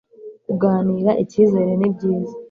kuganira icyizere ni byiza